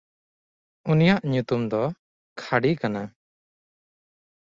ᱩᱱᱤᱭᱟᱜ ᱧᱩᱛᱩᱢ ᱫᱚ ᱠᱷᱟᱰᱤ ᱠᱟᱱᱟ᱾